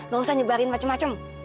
gak usah nyebarin macem macem